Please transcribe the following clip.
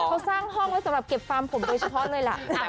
เขาสร้างห้องไว้สำหรับเก็บฟาร์มผมโดยเฉพาะเลยล่ะ